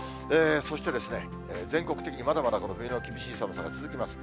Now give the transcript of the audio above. そして全国的にまだまだ冬の厳しい寒さが続きます。